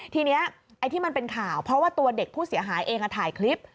ทีนี้ไอ้ที่มันเป็นข่าวเพราะว่าตัวเด็กผู้เสียหายเองถ่ายคลิป